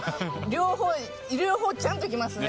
両方両方ちゃんときますね